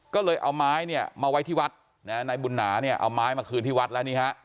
ก็เลยเอาไม้มาไว้ที่วัดในบุญหนาเอาไม้มาคืนที่วัดแล้วนี่ครับ